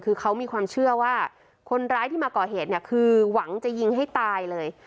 คือเขามีความเชื่อว่าคนร้ายที่มาก่อเหตุเนี่ยคือหวังจะยิงให้ตายเลย